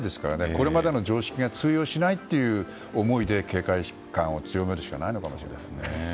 これまでの常識が通用しないという思いで警戒感を強めるしかないのかもしれませんね。